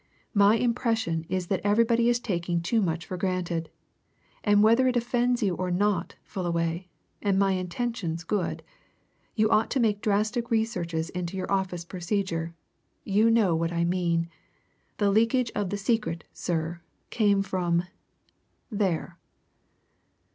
my impression is that everybody is taking too much for granted. And whether it offends you or not, Fullaway and my intention's good you ought to make drastic researches into your office procedure you know what I mean. The leakage of the secret, sir, came from there!"